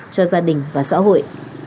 cho gia đình và xã hội